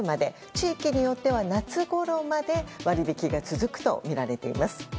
地域によっては夏ごろまで割引が続くとみられています。